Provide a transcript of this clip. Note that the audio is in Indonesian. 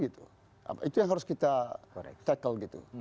itu yang harus kita tackle gitu